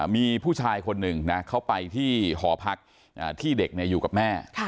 มีผู้ชายคนหนึ่งนะเขาไปที่หอพักที่เด็กอยู่กับแม่